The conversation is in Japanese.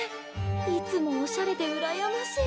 いつもオシャレでうらやましい！